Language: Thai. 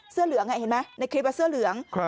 เสื้อเหลืองเห็นไหมในคลิปเสื้อเหลือง